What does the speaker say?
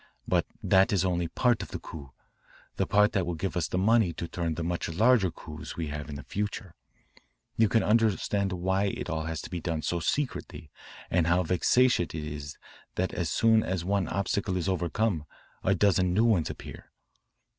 But that is only part of the coup, the part that will give us the money to turn the much larger coups we have in the future. You can understand why it has all to be done so secretly and how vexatious it is that as soon as one obstacle is overcome a dozen new ones appear.